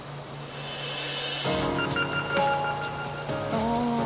ああ。